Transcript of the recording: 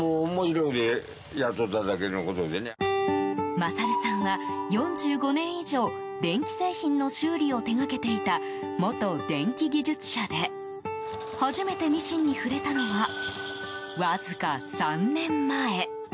勝さんは４５年以上電気製品の修理を手がけていた元電気技術者で初めてミシンに触れたのはわずか３年前。